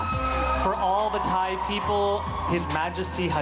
ขอบคุณค่ะสลามัติพ่อ